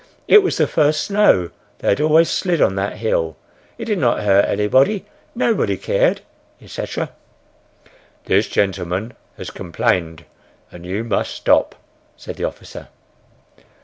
It was "the first snow;" they "always slid on that hill;" "it did not hurt anybody;" "nobody cared," etc. "This gentleman has complained, and you must stop," said the officer.